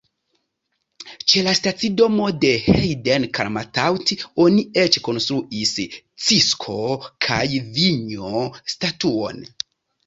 Ĉe la stacidomo de Heide-Kalmthout oni eĉ konstruis Cisko-kaj-Vinjo-statuon.